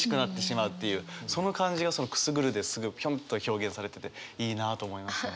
その感じが「くすぐる」でぴょんと表現されてていいなと思いましたね。